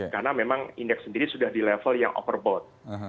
karena memang indeks sendiri sudah di level yang overbought